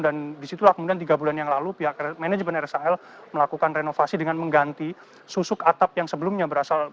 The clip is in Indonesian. dan di situlah kemudian tiga bulan yang lalu pihak manajemen rsal melakukan renovasi dengan mengganti susuk atap yang sebelumnya